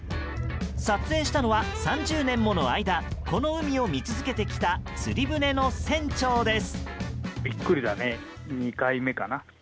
撮影したのは３０年もの間この海を見続けてきた釣り船の船長です。